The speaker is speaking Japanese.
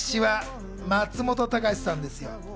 作詞は松本隆さんです。